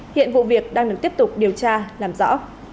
hiện vụ việc đang được tiếp tục điều tra làm rõ